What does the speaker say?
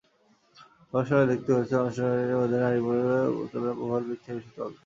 গবেষকেরা দেখতে পেয়েছেন, অংশগ্রহণকারীদের মধ্যে নারীরা পুরুষদের তুলনায় প্রোফাইল পিকচার বেশি পাল্টান।